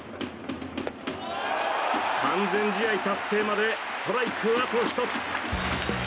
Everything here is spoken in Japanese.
完全試合達成までストライク、あと１つ。